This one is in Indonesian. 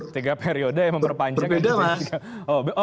tiga periode yang memperpanjangkan berbeda mas